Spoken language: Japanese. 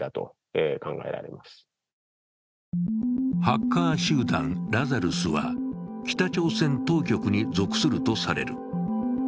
ハッカー集団・ラザルスは、北朝鮮当局に属するとされる。